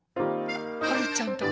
はるちゃんだ。